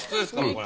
これ。